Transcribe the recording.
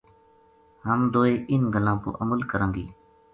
ہم دوئے اِنھ گلاں پو عمل کراں گی